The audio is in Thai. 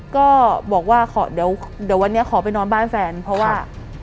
ก็บอกว่าขอเดี๋ยววันนี้ขอไปนอนบ้านแฟนเพราะว่า